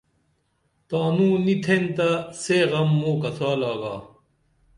تانوں نی تھین تہ سے غم موں کڅال گا